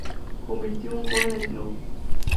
Convirtió un gol en el club.